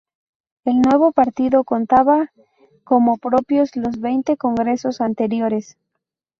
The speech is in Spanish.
El nuevo Partido contaba como propios los veinte congresos anteriores.